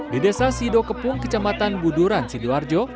di desa sido kepung kecamatan buduran sidoarjo